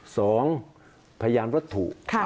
พยานวัตถุ